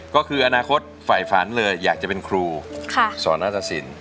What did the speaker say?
ก็คืออนาคตฝ่ายฝันเลยอยากจะเป็นครูสอนัตตสิน